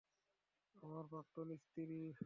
আমার প্রাক্তন স্ত্রী।